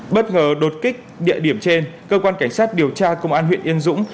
bất ngờ đột kích địa điểm trên cơ quan cảnh sát điều tra công an huyện yên dũng